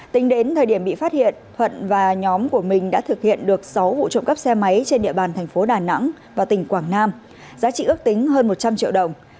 tính đến thời điểm bị phát hiện thuận và nhóm của mình đã thực hiện được sáu vụ trộm cắp xe máy trên địa bàn thành phố đà nẵng và tỉnh quảng nam giá trị ước tính hơn một trăm linh triệu đồng